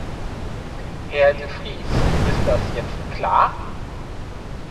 Herr de Vries, ist das jetzt klar?